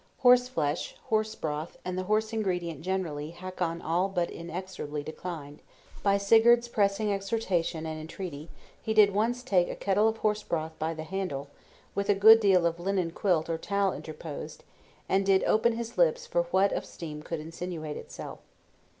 Horse flesh, horse broth, and the horse ingredient generally, Hakon all but inexorably declined. By Sigurd's pressing exhortation and entreaty, he did once take a kettle of horsebroth by the handle, with a good deal of linen quilt or towel interposed, and did open his lips for what of steam could insinuate itself.